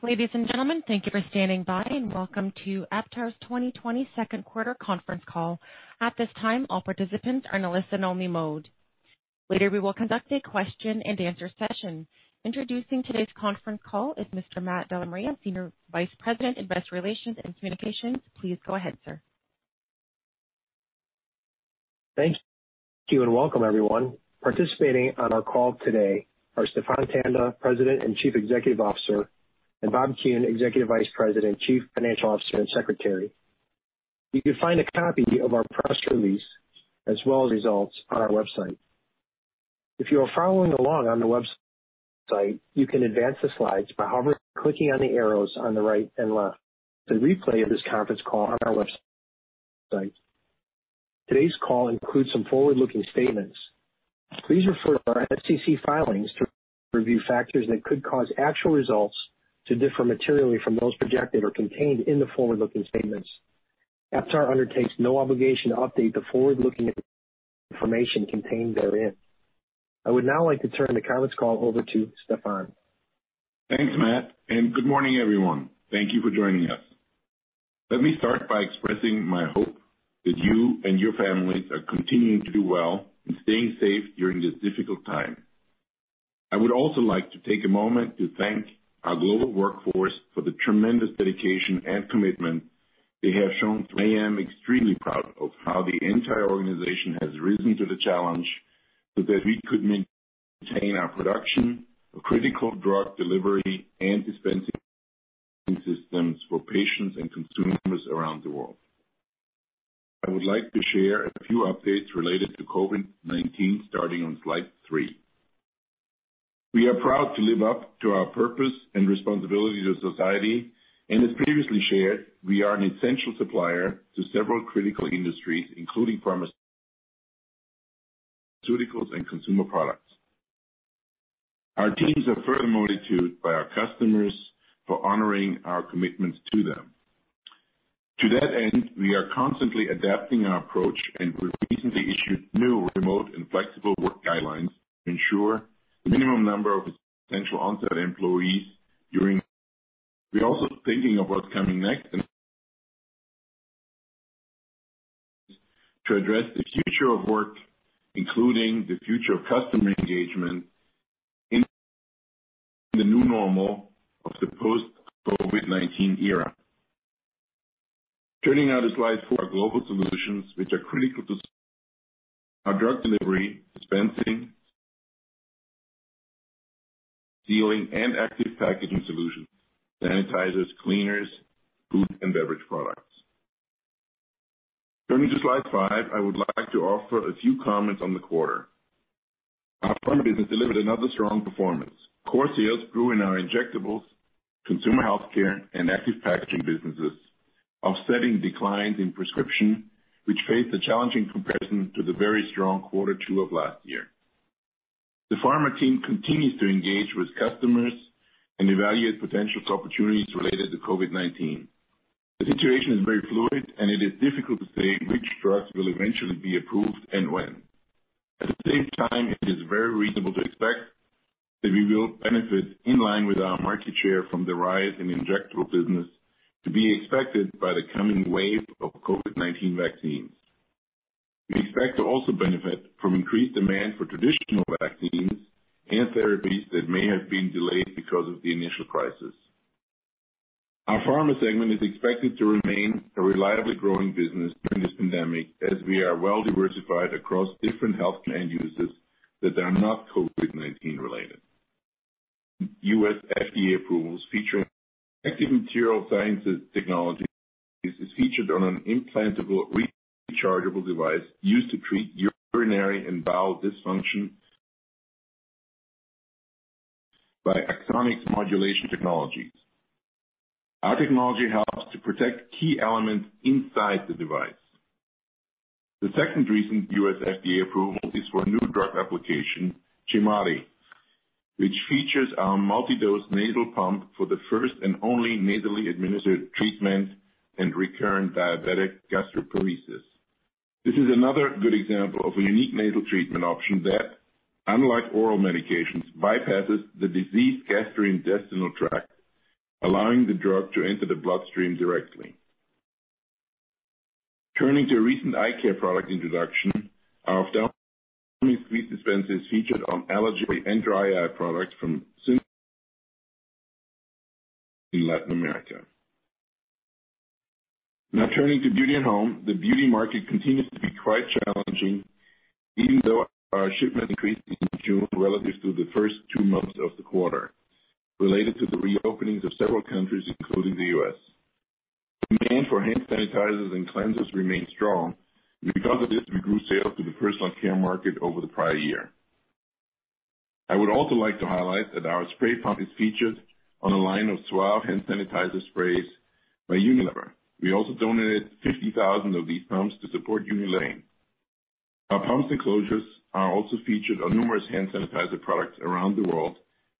Ladies and gentlemen, thank you for standing by, and Welcome to AptarGroup's 2020 Second Quarter Conference Call. At this time, all participants are in a listen-only mode. Later, we will conduct a question and answer session. Introducing today's conference call is Mr. Matt DellaMaria, Senior Vice President, Investor Relations and Communications. Please go ahead, sir. Thank you, and welcome everyone. Participating on our call today are Stephan Tanda, President and Chief Executive Officer, and Bob Kuhn, Executive Vice President, Chief Financial Officer, and Secretary. You can find a copy of our press release as well as results on our website. If you are following along on the website, you can advance the slides by hovering and clicking on the arrows on the right and left. The replay of this conference call is on our website. Today's call includes some forward-looking statements. Please refer to our SEC filings to review factors that could cause actual results to differ materially from those projected or contained in the forward-looking statements. AptarGroup undertakes no obligation to update the forward-looking information contained therein. I would now like to turn the conference call over to Stephan. Thanks, Matt, and good morning, everyone. Thank you for joining us. Let me start by expressing my hope that you and your families are continuing to do well and staying safe during this difficult time. I would also like to take a moment to thank our global workforce for the tremendous dedication and commitment they have shown. I am extremely proud of how the entire organization has risen to the challenge so that we could maintain our production of critical drug delivery and dispensing systems for patients and consumers around the world. I would like to share a few updates related to COVID-19 starting on slide three. We are proud to live up to our purpose and responsibility to society, and as previously shared, we are an essential supplier to several critical industries, including pharmaceuticals and consumer products. Our teams are further motivated by our customers for honoring our commitments to them. To that end, we are constantly adapting our approach, and we've recently issued new remote and flexible work guidelines to ensure the minimum number of essential on-site employees during. We're also thinking of what's coming next to address the future of work, including the future of customer engagement in the new normal of the post-COVID-19 era. Turning now to slide four, our global solutions, which are critical to our drug delivery, dispensing, sealing, and active packaging solutions, sanitizers, cleaners, food, and beverage products. Turning to slide five, I would like to offer a few comments on the quarter. Our pharma business delivered another strong performance. Core sales grew in our injectables, consumer healthcare, and active packaging businesses, offsetting declines in prescription, which faced a challenging comparison to the very strong quarter two of last year. The Pharma team continues to engage with customers and evaluate potential opportunities related to COVID-19. The situation is very fluid, and it is difficult to say which drugs will eventually be approved and when. At the same time, it is very reasonable to expect that we will benefit in line with our market share from the rise in the injectable business to be expected by the coming wave of COVID-19 vaccines. We expect to also benefit from increased demand for traditional vaccines and therapies that may have been delayed because of the initial crisis. Our Pharma segment is expected to remain a reliably growing business during this pandemic, as we are well diversified across different healthcare end uses that are not COVID-19 related. U.S. FDA approvals featuring active material science technologies is featured on an implantable rechargeable device used to treat urinary and bowel dysfunction by Axonics Modulation Technologies. Our technology helps to protect key elements inside the device. The second recent U.S. FDA approval is for a New Drug Application, Qymari, which features our multi-dose nasal pump for the first and only nasally administered treatment in recurrent diabetic gastroparesis. This is another good example of a unique nasal treatment option that, unlike oral medications, bypasses the diseased gastrointestinal tract, allowing the drug to enter the bloodstream directly. Turning to a recent eye care product introduction, our three ml squeeze dispenser is featured on allergy and dry eye products from Saval in Latin America. Turning to beauty and home. The beauty market continues to be quite challenging, even though our shipments increased in June relative to the first two months of the quarter, related to the re-openings of several countries, including the U.S.. Demand for hand sanitizers and cleansers remains strong. Because of this, we grew sales to the personal care market over the prior year. I would also like to highlight that our spray pump is featured on a line of Saval hand sanitizer sprays by Unilever. We also donated 50,000 of these pumps to support Unilad. Our pumps enclosures are also featured on numerous hand sanitizer products around the world,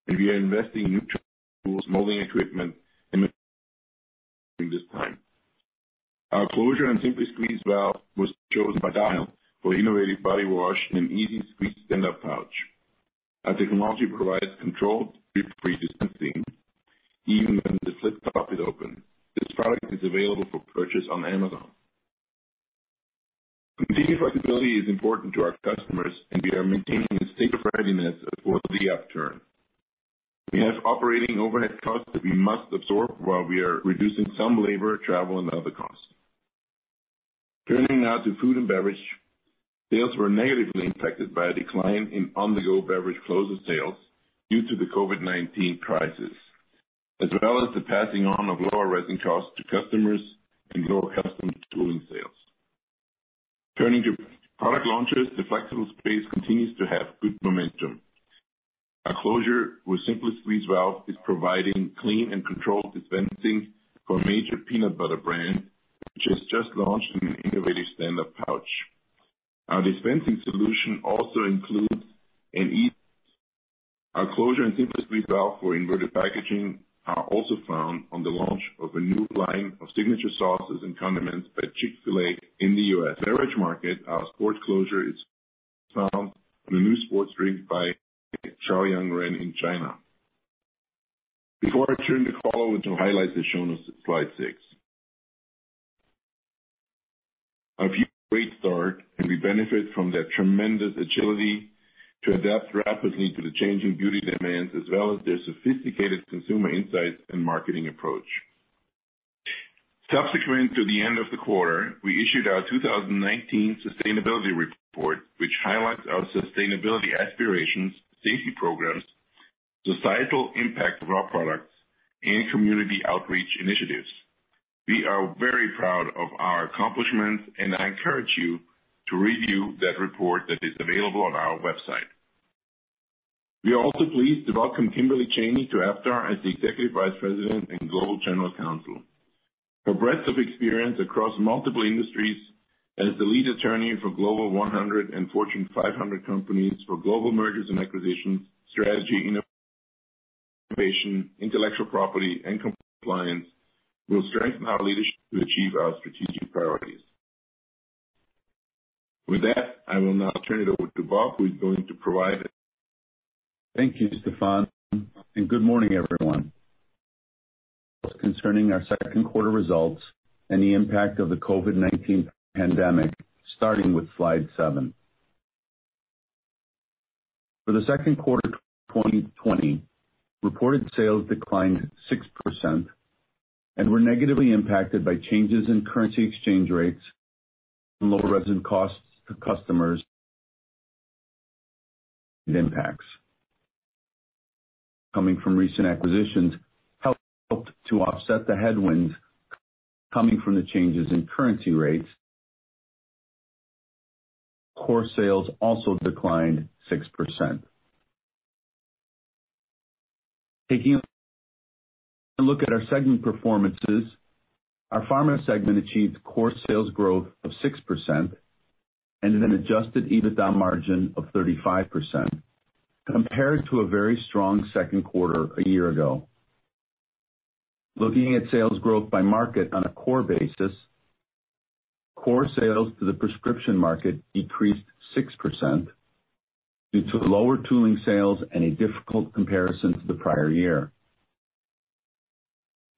and we are investing in new tools, molding equipment in this time. Our closure and SimpliSqueeze valve was chosen by Dial for innovative body wash in an easy-squeeze standup pouch. Our technology provides controlled, drip-free dispensing even when the flip-top is open. This product is available for purchase on Amazon. Continued flexibility is important to our customers, and we are maintaining a state of readiness for the upturn. We have operating overhead costs that we must absorb while we are reducing some labor, travel, and other costs. Turning now to food and beverage. Sales were negatively impacted by a decline in on-the-go beverage closure sales due to the COVID-19 crisis, as well as the passing on of lower resin costs to customers and lower custom tooling sales. Turning to product launches, the flexible space continues to have good momentum. Our closure with SimpliSqueeze Valve is providing clean and controlled dispensing for a major peanut butter brand, which has just launched an innovative standup pouch. Our closure and SimpliSqueeze Valve for inverted packaging are also found on the launch of a new line of signature sauces and condiments by Chick-fil-A in the U.S. Beverage market, our sports closure is found on a new sports drink by Xiaoyangren in China. Before I turn the call over to highlights as shown on slide six. A few great start, and we benefit from their tremendous agility to adapt rapidly to the changing beauty demands, as well as their sophisticated consumer insights and marketing approach. Subsequent to the end of the quarter, we issued our 2019 sustainability report, which highlights our sustainability aspirations, safety programs, societal impact of our products, and community outreach initiatives. We are very proud of our accomplishments, and I encourage you to review that report that is available on our website. We are also pleased to welcome Kimberly Chainey to Aptar as the Executive Vice President and Global General Counsel. Her breadth of experience across multiple industries as the lead attorney for Global 100 and Fortune 500 companies for global mergers and acquisitions, strategy, innovation, intellectual property, and compliance will strengthen our leadership to achieve our strategic priorities. With that, I will now turn it over to Bob, who's going to provide. Thank you, Stephan, and good morning, everyone. Concerning our second quarter results and the impact of the COVID-19 pandemic, starting with slide seven. For the second quarter 2020, reported sales declined 6% and were negatively impacted by changes in currency exchange rates and lower resin costs to customers and impacts. Coming from recent acquisitions helped to offset the headwinds coming from the changes in currency rates. Core sales also declined 6%. Taking a look at our segment performances, our Pharma segment achieved core sales growth of 6% and an adjusted EBITDA margin of 35%, compared to a very strong second quarter a year ago. Looking at sales growth by market on a core basis, core sales to the prescription market decreased 6% due to lower tooling sales and a difficult comparison to the prior year.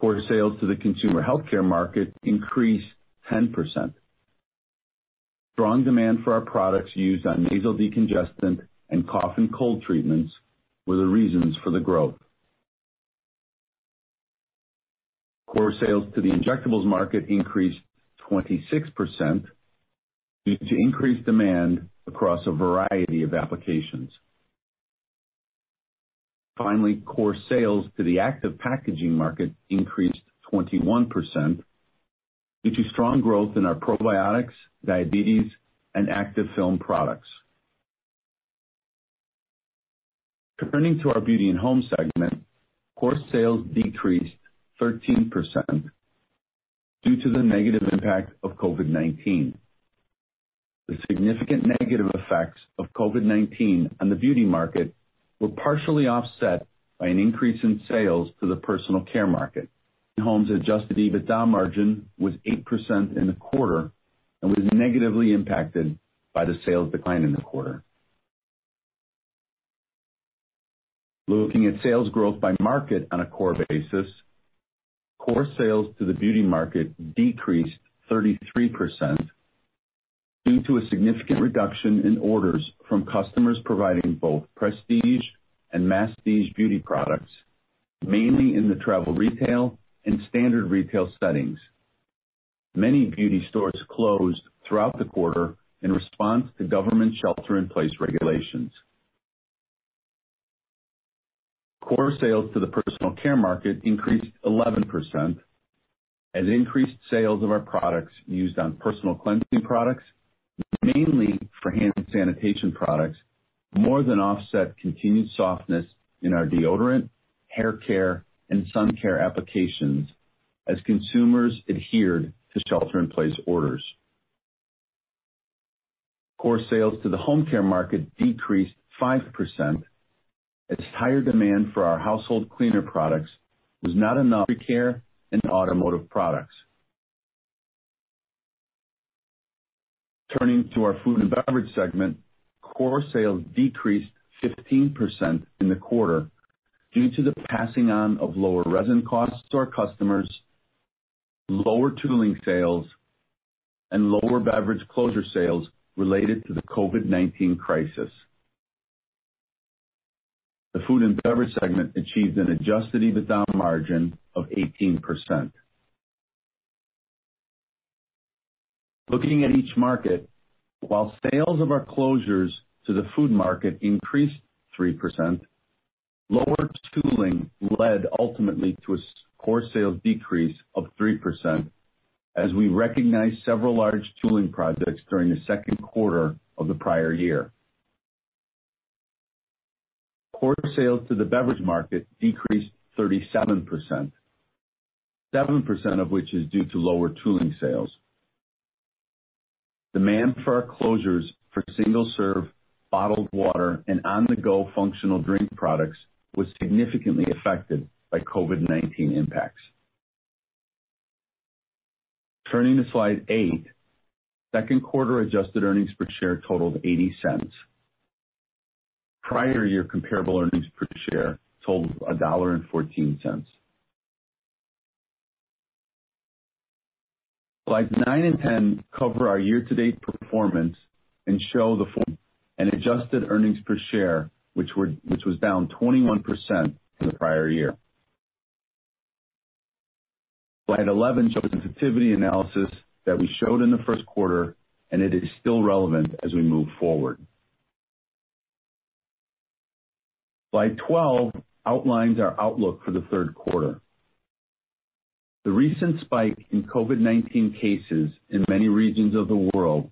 Core sales to the consumer healthcare market increased 10%. Strong demand for our products used on nasal decongestant and cough and cold treatments were the reasons for the growth. Core sales to the injectables market increased 26% due to increased demand across a variety of applications. Core sales to the active packaging market increased 21% due to strong growth in our probiotics, diabetes, and Activ-Film products. Turning to our Beauty and Home segment, core sales decreased 13% due to the negative impact of COVID-19. The significant negative effects of COVID-19 on the beauty market were partially offset by an increase in sales to the personal care market. Home's adjusted EBITDA margin was 8% in the quarter and was negatively impacted by the sales decline in the quarter. Looking at sales growth by market on a core basis, core sales to the beauty market decreased 33% due to a significant reduction in orders from customers providing both prestige and masstige beauty products, mainly in the travel retail and standard retail settings. Many beauty stores closed throughout the quarter in response to government shelter-in-place regulations. Core sales to the personal care market increased 11% as increased sales of our products used on personal cleansing products, mainly for hand sanitation products, more than offset continued softness in our deodorant, hair care, and sun care applications as consumers adhered to shelter-in-place orders. Core sales to the home care market decreased 5% as higher demand for our household cleaner products was not enough to care in automotive products. Turning to our food and beverage segment, core sales decreased 15% in the quarter due to the passing on of lower resin costs to our customers, lower tooling sales, and lower beverage closure sales related to the COVID-19 crisis. The food and beverage segment achieved an adjusted EBITDA margin of 18%. Looking at each market, while sales of our closures to the food market increased 3%, lower tooling led ultimately to a core sales decrease of 3% as we recognized several large tooling projects during the second quarter of the prior year. Quarter sales to the beverage market decreased 37%, 7% of which is due to lower tooling sales. Demand for our closures for single-serve bottled water and on-the-go functional drink products was significantly affected by COVID-19 impacts. Turning to slide eight, second quarter adjusted earnings per share totaled $0.80. Prior year comparable earnings per share totaled $1.14. Slides nine and 10 cover our year-to-date performance and show the full and adjusted earnings per share, which was down 21% from the prior year. Slide 11 shows sensitivity analysis that we showed in the first quarter, and it is still relevant as we move forward. Slide 12 outlines our outlook for the third quarter. The recent spike in COVID-19 cases in many regions of the world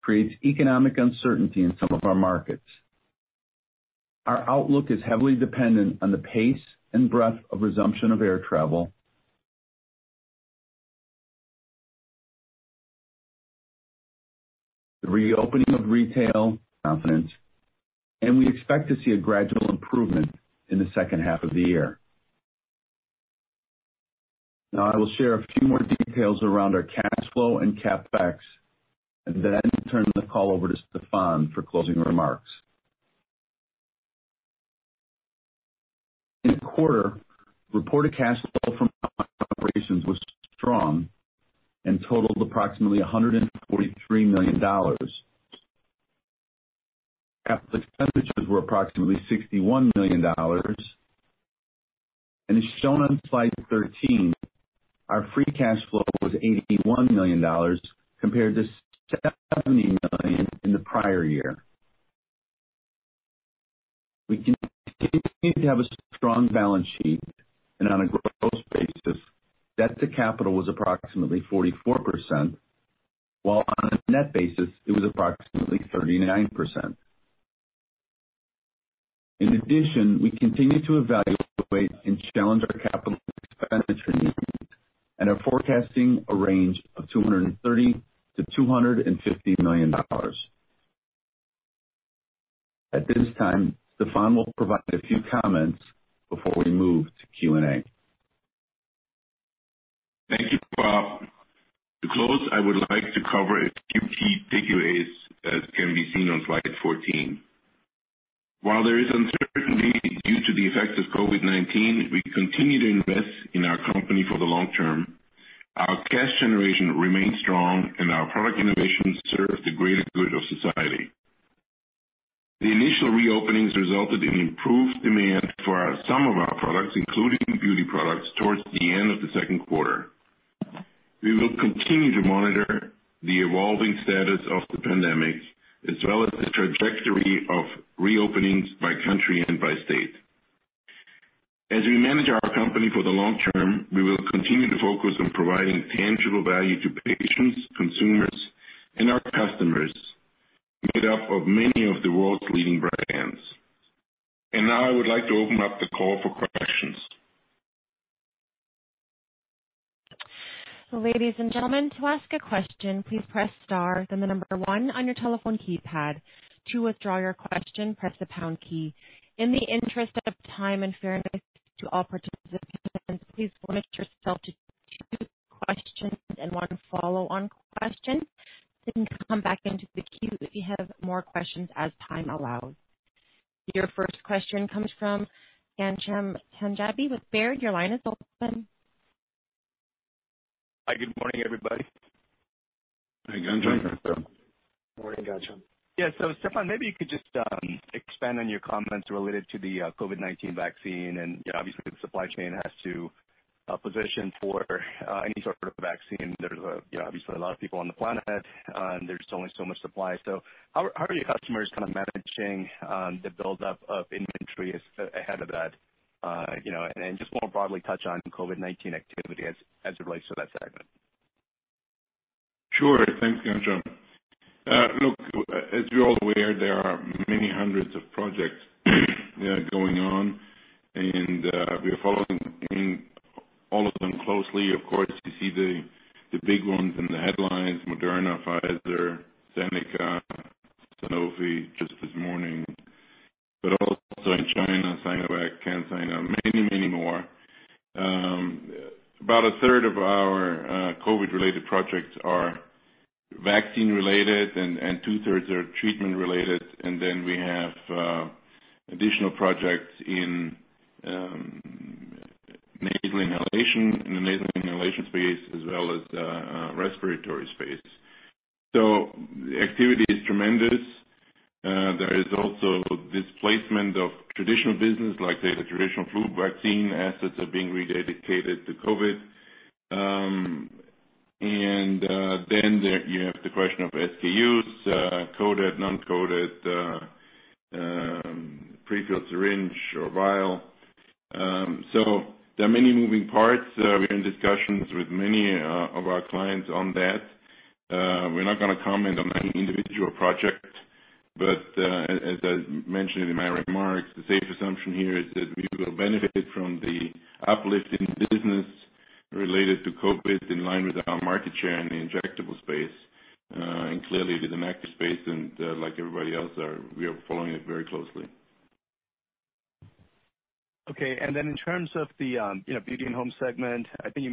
creates economic uncertainty in some of our markets. Our outlook is heavily dependent on the pace and breadth of resumption of air travel, the reopening of retail confidence, and we expect to see a gradual improvement in the second half of the year. I will share a few more details around our cash flow and CapEx and then turn the call over to Stephan for closing remarks. In the quarter, reported cash flow from operations was strong and totaled approximately $143 million. Capital expenditures were approximately $61 million, and as shown on slide 13, our free cash flow was $81 million compared to $70 million in the prior year. We continue to have a strong balance sheet, and on a gross basis, debt to capital was approximately 44%, while on a net basis, it was approximately 39%. In addition, we continue to evaluate and challenge our capital expenditure needs and are forecasting a range of $230 million-$250 million. At this time, Stephan will provide a few comments before we move to Q&A. Thank you, Bob. To close, I would like to cover a few key takeaways as can be seen on slide 14. While there is uncertainty due to the effects of COVID-19, we continue to invest in our company for the long term. Our cash generation remains strong, and our product innovation serves the greater good of society. The initial re-openings resulted in improved demand for some of our products, including beauty products, towards the end of the second quarter. We will continue to monitor the evolving status of the pandemic, as well as the trajectory of re-openings by country and by state. As we manage our company for the long term, we will continue to focus on providing tangible value to patients, consumers, and our customers, made up of many of the world's leading brands. Now I would like to open up the call for questions. Ladies and gentlemen, to ask a question, please press star, then the number one on your telephone keypad. To withdraw your question, press the pound key. In the interest of time and fairness to all participants, please limit yourself to two questions and one follow-on question. You can come back into the queue if you have more questions as time allows. Your first question comes from Ghansham Panjabi with Baird. Your line is open. Hi, good morning, everybody. Hi, Ghansham. Morning, Ghansham Yeah. Stephan, maybe you could just expand on your comments related to the COVID-19 vaccine and obviously the supply chain has to position for any sort of vaccine. There's obviously a lot of people on the planet, and there's only so much supply. How are your customers kind of managing the buildup of inventory ahead of that? Just more broadly touch on COVID-19 activity as it relates to that segment. Sure. Thanks, Ghansham. Look, as you're all aware, there are many hundreds of projects going on. We are following all of them closely. Of course, you see the big ones in the headlines, Moderna, Pfizer, AstraZeneca, Sanofi just this morning. Also in China, Sinovac, CanSino, many, many more. About a 1/3 of our COVID-related projects are vaccine-related, 2/3s are treatment-related. We have additional projects in the nasal inhalation space as well as respiratory space. The activity is tremendous. There is also displacement of traditional business, like the traditional flu vaccine assets are being rededicated to COVID. You have the question of SKUs, coated, non-coated, prefilled syringe or vial. There are many moving parts. We're in discussions with many of our clients on that. We're not going to comment on any individual project, as I mentioned in my remarks, the safe assumption here is that we will benefit from the uplift in business related to COVID-19 in line with our market share in the injectable space. Clearly it is an active space, and like everybody else, we are following it very closely. Okay. In terms of the Beauty and Home segment, I think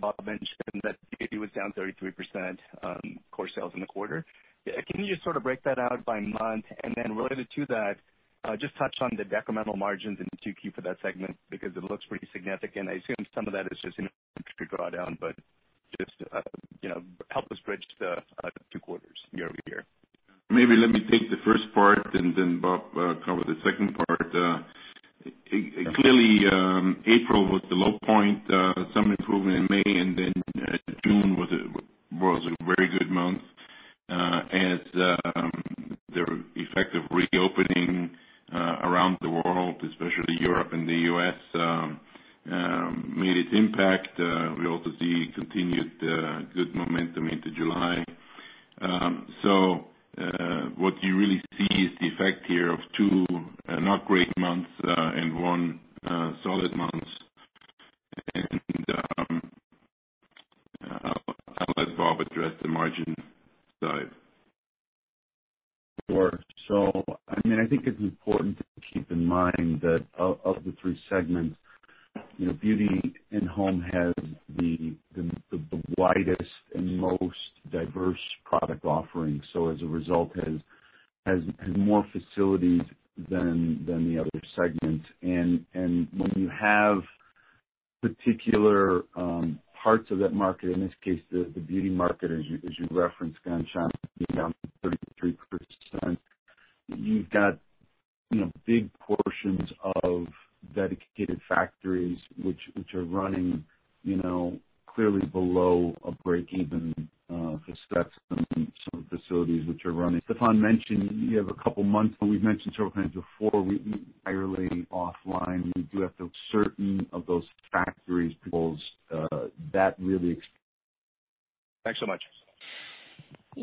Bob mentioned that Beauty was down 33% core sales in the quarter. Can you just sort of break that out by month? Related to that, just touch on the decremental margins in 2Q for that segment, because it looks pretty significant. I assume some of that is just inventory drawdown, but just help us bridge the two quarters year-over-year. Let me take the first part and then Bob cover the second part. Clearly, April was the low point. Some improvement in May, June was a very good month as the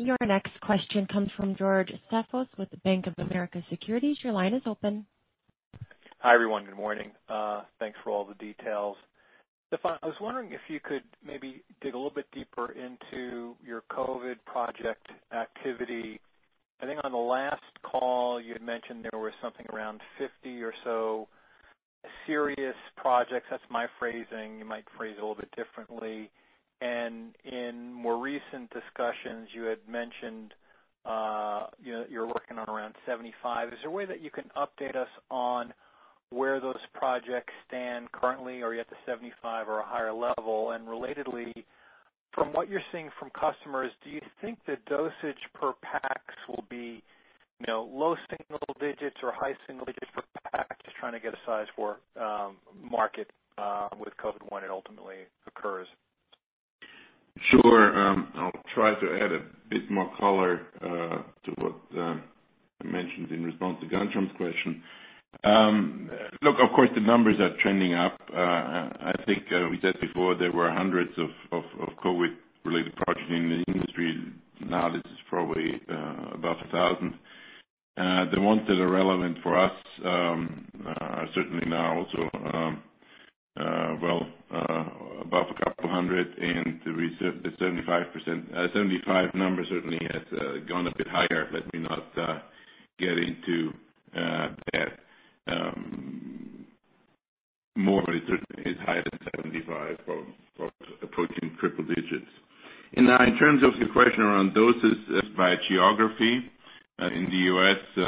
Your next question comes from George Staphos with Bank of America Securities. Your line is open. Hi, everyone. Good morning. Thanks for all the details. Stephan, I was wondering if you could maybe dig a little bit deeper into your COVID project activity. I think on the last call you had mentioned there were something around 50 or so serious projects. That's my phrasing. You might phrase it a little bit differently. In more recent discussions you had mentioned you're working on around 75. Is there a way that you can update us on where those projects stand currently? Are you at the 75 or a higher level? Relatedly, from what you're seeing from customers, do you think the dosage per packs will be low single digits or high single digits per pack? Just trying to get a size for market with COVID when it ultimately occurs. Sure. I'll try to add a bit more color to what I mentioned in response to Ghansham's question. Look, of course, the numbers are trending up. I think we said before there were hundreds of COVID-19-related projects in the industry. Now this is probably above 1,000. The ones that are relevant for us are certainly now also well above a couple of hundred. The 75 number certainly has gone a bit higher. Let me not get into that. More is certainly higher than 75, approaching triple digits. In terms of your question around doses by geography, in the U.S.,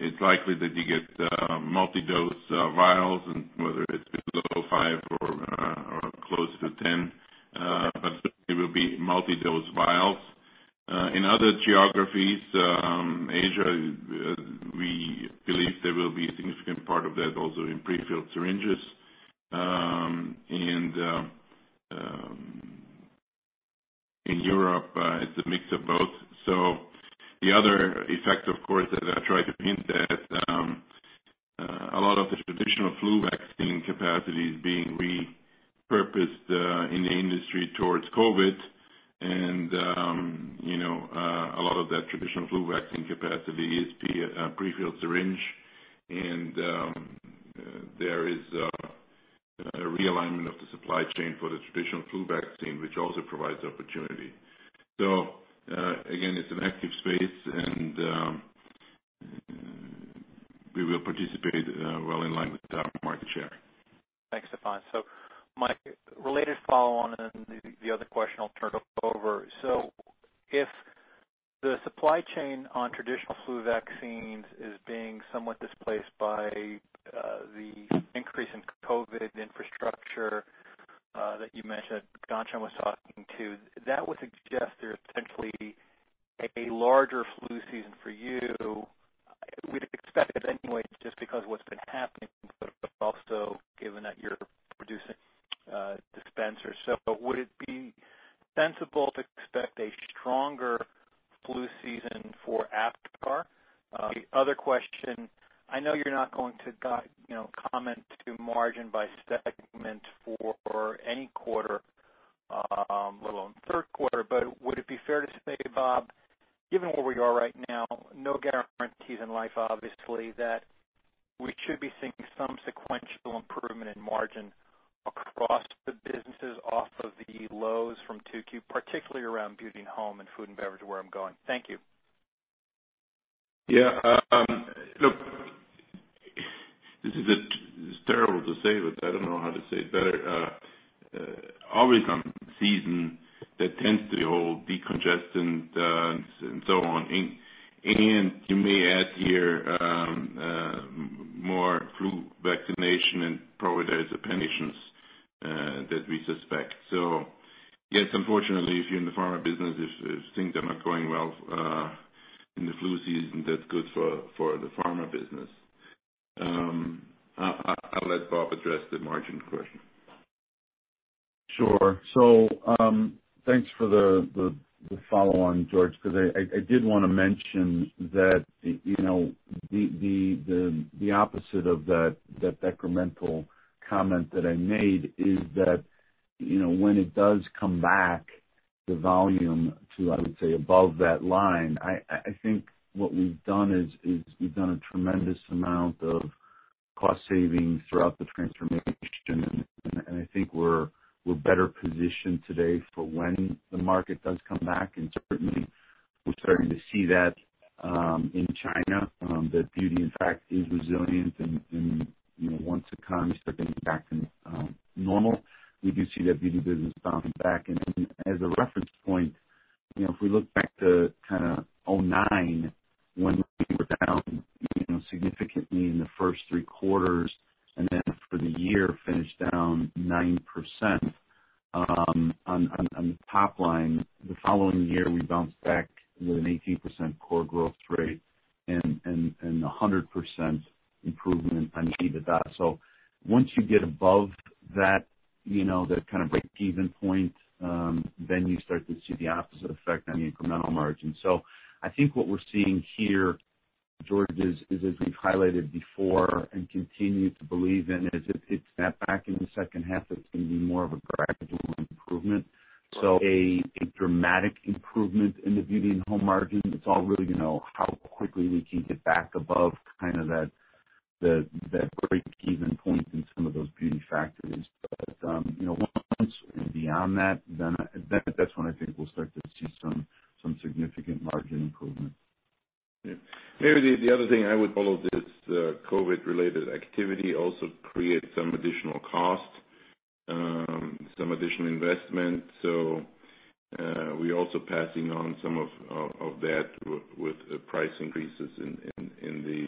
it's likely that you get multi-dose vials, and whether it's below five or close to 10, but certainly will be multi-dose vials. In other geographies, Asia, we believe there will be a significant part of that also in prefilled syringes. In Europe, it's a mix of both. The other effect, of course, that I try to paint at, a lot of the traditional flu vaccine capacity is being repurposed in the industry towards COVID. A lot of that traditional flu vaccine capacity is prefilled syringe, and there is a realignment of the supply chain for the traditional flu vaccine, which also provides opportunity. Again, it's an active space, and we will participate well in line with our market share. Thanks, Stephan. My related follow-on and the other question I'll turn it over. If the supply chain on traditional flu vaccines is being somewhat displaced by the increase in COVID-19 infrastructure that you mentioned, Ghansham was talking to, that would suggest there's potentially a larger flu season for you. We'd expect it anyway just because what's been happening, but also given that you're producing dispensers. Would it be sensible to expect a stronger flu season for AptarGroup? The other question, I know you're not going to guide, comment to margin by segment for any quarter, let alone third quarter. Would it be fair to say, Bob, given where we are right now, no guarantees in life, obviously, that we should be seeing some sequential improvement in margin across the businesses off of the lows from two Q, particularly around Beauty and Home and Food and Beverage, where I'm going. Thank you. Yeah. Look, this is terrible to say, but I don't know how to say it better. Always comes a season that tends to hold decongestants and so on. You may add here more flu vaccination and probably there's appendicitis that we suspect. Yes, unfortunately, if you're in the pharma business, if things are not going well in the flu season, that's good for the pharma business. I'll let Bob address the margin question. Sure. Thanks for the follow on, George, because I did want to mention that the opposite of that detrimental comment that I made is that, when it does come back, the volume to, I would say, above that line, I think what we've done is we've done a tremendous amount of cost savings throughout the transformation. I think we're better positioned today for when the market does come back. Certainly, we're starting to see that in China, that beauty, in fact, is resilient and once economies are getting back to normal, we do see that beauty business bouncing back. As a reference point, if we look back to kind of 2009 when we were down significantly in the first three quarters and then for the year finished down 9% on top line. The following year, we bounced back with an 18% core growth rate and 100% improvement on EBITDA. Once you get above that kind of break-even point, then you start to see the opposite effect on the incremental margin. I think what we're seeing here, George, is as we've highlighted before and continue to believe in, is if it snap back in the second half, it's going to be more of a gradual improvement. A dramatic improvement in the beauty and home margin, it's all really how quickly we can get back above that break-even point in some of those beauty factories. Once beyond that, then that's when I think we'll start to see some significant margin improvement. Yeah. Maybe the other thing I would follow this COVID-19-related activity also creates some additional cost, some additional investment. We're also passing on some of that with price increases in the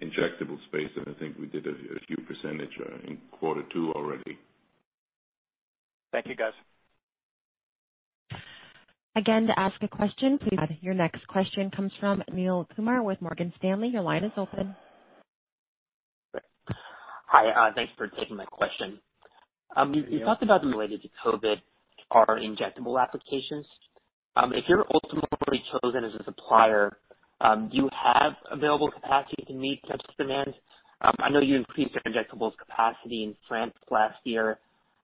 injectable space, and I think we did a few percentage in quarter two already. Thank you, guys. Again, to ask a question, please. Your next question comes from Neel Kumar with Morgan Stanley. Your line is open. Hi. Thanks for taking my question. You talked about related to COVID are injectable applications. If you're ultimately chosen as a supplier, do you have available capacity to meet such demand? I know you increased your injectables capacity in France last year.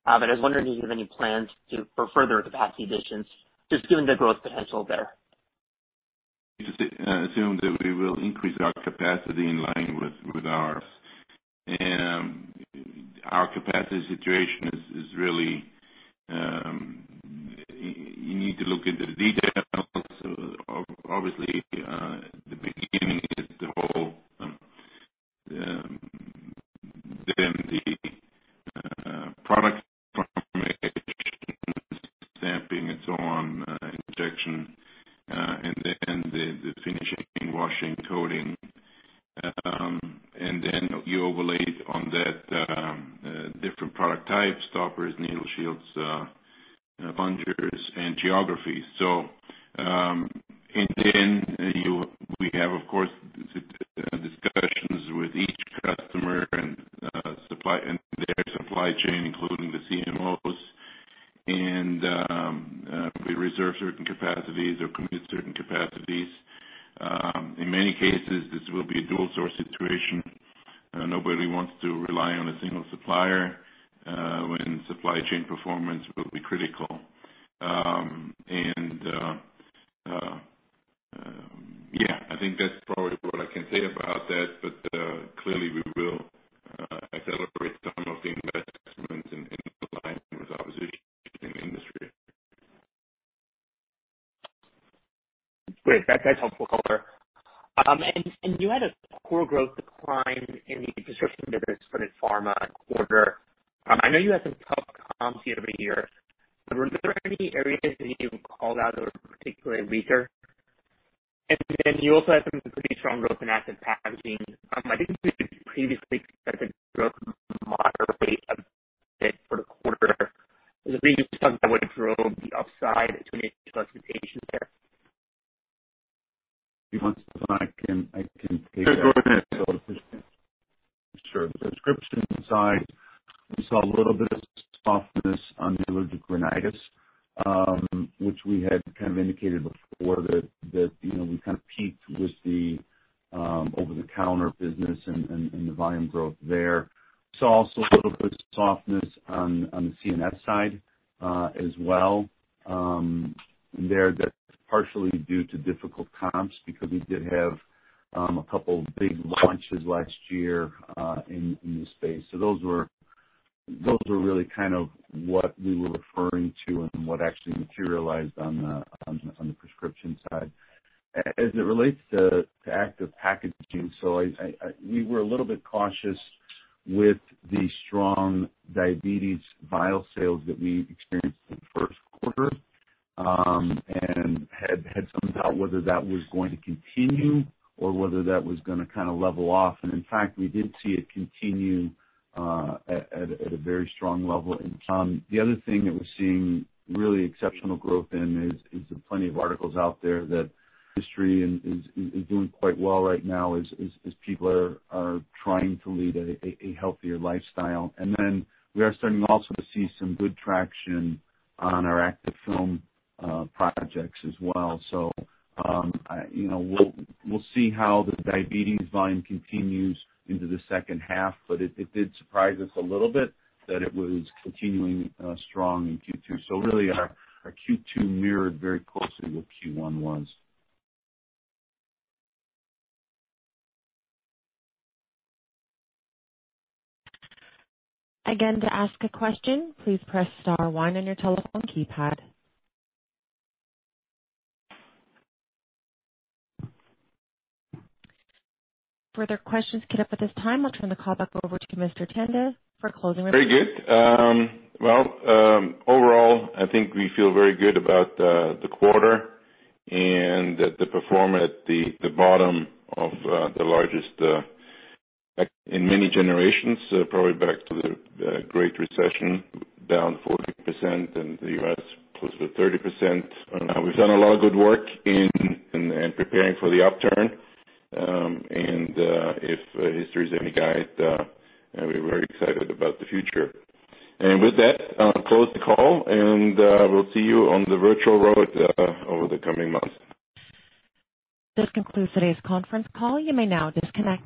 I was wondering if you have any plans for further capacity additions, just given the growth potential there. You can assume that we will increase our capacity in line with ours. Our capacity situation is really, you need to look into the details. Obviously, the beginning is the whole, then the product formation, stamping and so on, injection, and then the finishing, washing, coating. Then you overlaid on that different product types, stoppers, needle shields, plungers, and geographies. Then we have, of course, discussions with each customer and their supply chain, including the CMOs. We reserve certain capacities or commit certain capacities In many cases, this will be a dual-source situation. Nobody wants to rely on a single supplier, when supply chain performance will be critical. Yeah, I think that's probably what I can say about that. Clearly, we will accelerate some of the investments in line with our position in the industry. Great. That's helpful, Holger. You had a core growth decline in the prescription business for the pharma quarter. I know you had some tough comps year-over-year. Were there any areas that you called out that were particularly weaker? You also had some pretty strong growth in active packaging. I think you previously expected growth to moderate a bit for the quarter. Is there anything you can tell me that would drove the upside to meet your expectations there? If you want, I can take that. Yeah, go ahead. Sure. The prescription side, we saw a little bit of softness on the allergic rhinitis, which we had kind of indicated before that we kind of peaked with the over-the-counter business and the volume growth there. Saw also a little bit of softness on the CNS side as well. There, that's partially due to difficult comps because we did have a couple big launches last year in this space. Those were really what we were referring to and what actually materialized on the prescription side. As it relates to active packaging, we were a little bit cautious with the strong diabetes vial sales that we experienced in the first quarter, and had some doubt whether that was going to continue or whether that was going to kind of level off. In fact, we did see it continue at a very strong level in Q2. The other thing that we're seeing really exceptional growth in is, there's plenty of articles out there, that industry is doing quite well right now as people are trying to lead a healthier lifestyle. We are starting also to see some good traction on our active film projects as well. We'll see how the diabetes volume continues into the second half, but it did surprise us a little bit that it was continuing strong in Q2. Really, our Q2 mirrored very closely what Q1 was. Again, to ask a question, please press star one on your telephone keypad. No further questions queued up at this time. I'll turn the call back over to Mr. Tanda for closing remarks. Very good. Well, overall, I think we feel very good about the quarter and the performance at the bottom of the largest, in many generations, probably back to the Great Recession, down 40% in the U.S., close to 30%. We've done a lot of good work in preparing for the upturn. If history is any guide, we're very excited about the future. With that, I'll close the call, and we'll see you on the virtual road over the coming months. This concludes today's conference call. You may now disconnect.